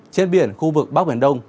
trên biển khu vực bắc biển đông